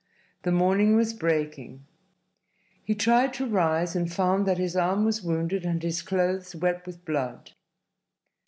The morning was breaking. He tried to rise and found that his arm was wounded and his clothes wet with blood.